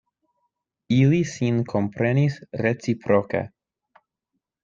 Ili sin komprenis reciproke.